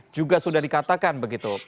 juga sudah dikatakan begitu